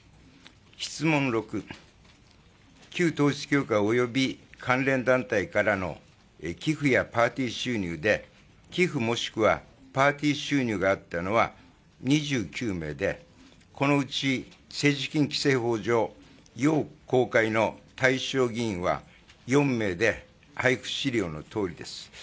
質問６、旧統一教会および関連団体からの寄付やパーティー収入で寄付もしくはパーティー収入があったのは２９名で、このうち政治資金規正法上要公開の対象議員は４名で配付資料のとおりです。